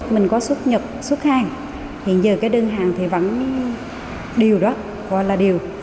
mình có xuất nhật xuất hàng hiện giờ cái đơn hàng thì vẫn điều đó gọi là điều